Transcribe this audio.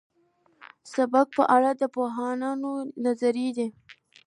سبک په اړه د ادبپوهانو نظريې دي.